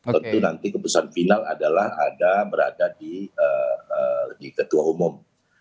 tentu nanti keputusan final adalah ada berada di ketua umum